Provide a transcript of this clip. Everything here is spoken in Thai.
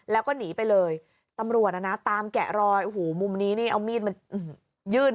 แล้วก็หนีไปเลยตำรวจอ่ะนะตามแกะรอยโอ้โหมุมนี้นี่เอามีดมันยื่น